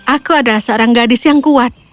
aku adalah seorang gadis yang kuat